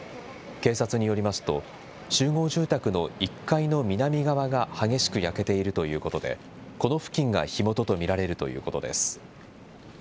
警察によりますと、集合住宅の１階の南側が激しく焼けているということで、この付近が火元と見られるということです。